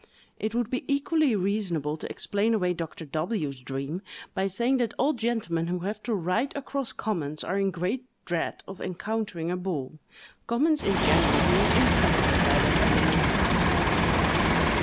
It would be equally reasonable to explain away Dr. W——'s dream, by saying that all gentlemen who have to ride across commons are in great dread of encountering a bull—commons in general being infested by that animal!